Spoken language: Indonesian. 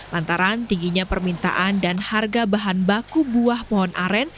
lantaran tingginya permintaan dan harga bahan baku buah pohon aren